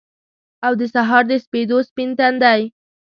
او دسهار دسپیدو ، سپین تندی